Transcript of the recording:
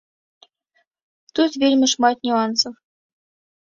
Тут вельмі шмат нюансаў.